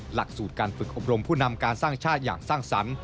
หลักสูตรการฝึกอบรมผู้นำการสร้างชาติอย่างสร้างสรรค์